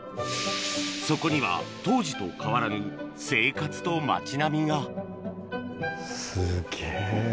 そこには当時と変わらぬ生活と町並みがすっげぇ。